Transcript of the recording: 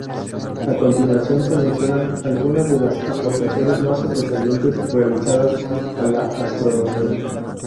A continuación se mencionan algunas de las aportaciones más sobresalientes realizadas a la Astronomía.